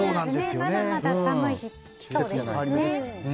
まだまだ寒い日きそうですしね。